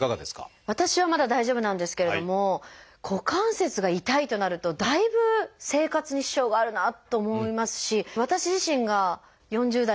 私はまだ大丈夫なんですけれども股関節が痛いとなるとだいぶ生活に支障があるなあと思いますし私自身が４０代